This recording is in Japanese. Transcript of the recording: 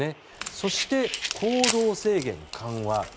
そして、行動制限緩和。